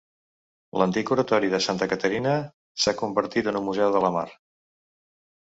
L'antic oratori de Santa Caterina s'ha reconvertit en un Museu de la Mar.